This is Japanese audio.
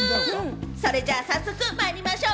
それじゃ早速まいりましょう！